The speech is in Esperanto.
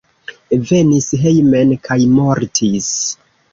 Venis hejmen kaj mortis.